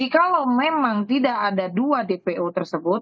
kalau memang tidak ada dua dpo tersebut